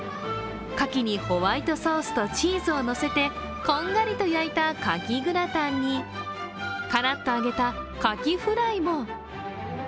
かきにホワイトソースとチーズを乗せて、こんがりと焼いた牡蠣グラタンにからっと揚げた牡蠣フライも。